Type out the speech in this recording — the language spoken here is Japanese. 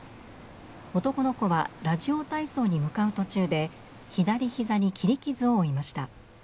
男の子はラジオ体操に向かう途中で左膝に切り傷を負いました。